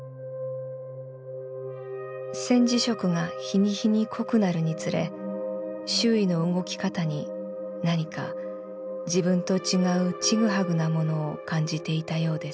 「戦時色が日に日に濃くなるにつれ周囲の動き方になにか自分と違うちぐはぐなものを感じていたようです。